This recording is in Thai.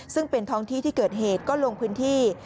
ซึ่งเป็นท้องที่ที่เกิดเหตุก็ลงพื้นที่